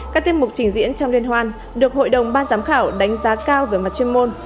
các tiết mục trình diễn trong liên hoan được hội đồng ban giám khảo đánh giá cao về mặt chuyên môn